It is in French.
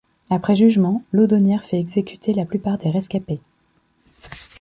Après jugement, Laudonnière fait exécuter la plupart des rescapés.